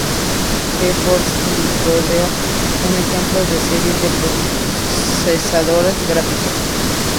GeForce y Radeon son ejemplos de series de procesadores gráficos.